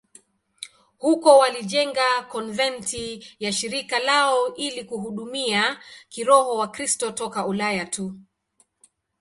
Huko walijenga konventi ya shirika lao ili kuhudumia kiroho Wakristo toka Ulaya tu.